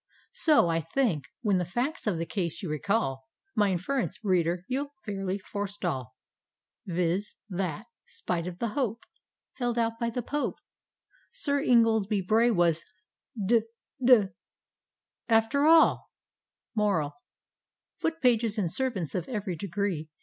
So I think, when the facts of the case you recall. My inference, reader, you'll fairly forestall, Viz: that, spite of the hope Held out by the Pope, Sir Ingoldsby Bray was d d after all I D,gt,, erihyGOOgle ftou] •:'•'.:•'/'.:: Thi^.Hhtnted Hour Foot pages, and Servants of ev'ry degree.